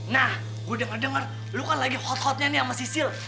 nah gue denger denger lu kan lagi hot hotnya nih sama cicil